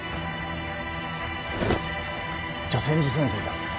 じゃあ千住先生だ。